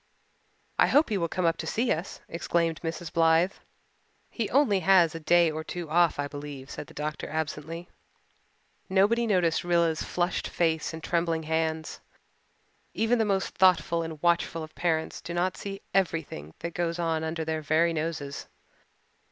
"I hope he will come up to see us," exclaimed Mrs. Blythe. "He only has a day or two off, I believe," said the doctor absently. Nobody noticed Rilla's flushed face and trembling hands. Even the most thoughtful and watchful of parents do not see everything that goes on under their very noses.